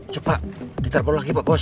coba diterpon lagi pak bos